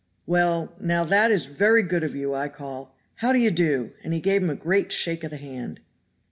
Well, now that is very good of you I call. How do you do?" and he gave him a great shake of the hand.